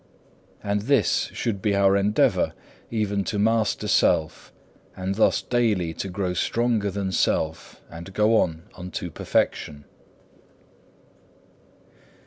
And this should be our endeavour, even to master self, and thus daily to grow stronger than self, and go on unto perfection.